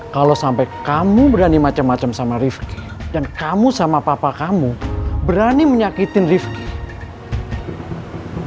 kalau sampai kamu berani macam macam sama rifki dan kamu sama papa kamu berani menyakitin rifki